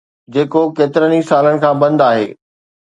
جيڪو ڪيترن ئي سالن کان بند آهي